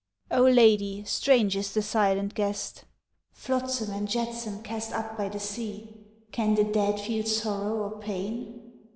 _) Oh Lady, strange is the silent guest (_Flotsam and jetsam cast up by the sea, Can the dead feel sorrow or pain?